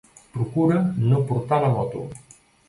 Procura no portar la moto.